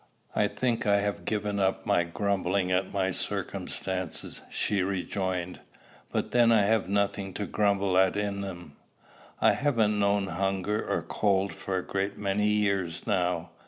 "I think I have given up grumbling at my circumstances," she rejoined; "but then I have nothing to grumble at in them. I haven't known hunger or cold for a great many years now.